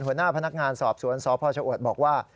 หัวหน้าพนักงานสอบสวนสพชะอวดบอกว่า